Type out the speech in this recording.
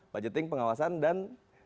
budgeting pengawasan dan